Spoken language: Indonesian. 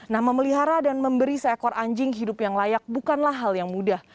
nah memelihara dan memberi seekor anjing hidup yang layak bukanlah hal yang mudah